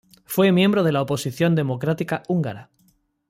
Fue miembro de la oposición democrática húngara.